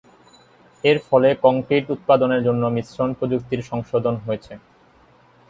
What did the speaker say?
এর ফলে কংক্রিট উৎপাদনের জন্য মিশ্রণ প্রযুক্তির সংশোধন হয়েছে।